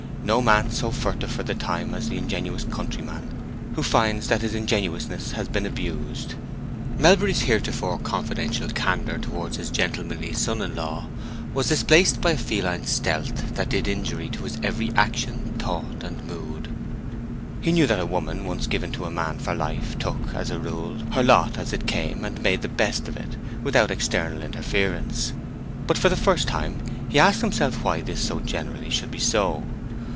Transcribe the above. No man so furtive for the time as the ingenuous countryman who finds that his ingenuousness has been abused. Melbury's heretofore confidential candor towards his gentlemanly son in law was displaced by a feline stealth that did injury to his every action, thought, and mood. He knew that a woman once given to a man for life took, as a rule, her lot as it came and made the best of it, without external interference; but for the first time he asked himself why this so generally should be so.